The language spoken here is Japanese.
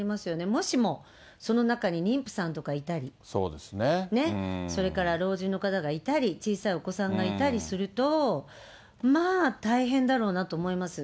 もしも、その中に妊婦さんとかいたりね、それから老人の方がいたり、小さいお子さんがいたりすると、まあ、大変だろうなと思います。